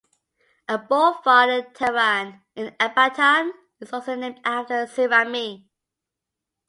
A boulevard in Tehran, in Ekbatan, is also named after Saremi.